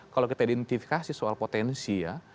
kalau kita identifikasi soal potensi ya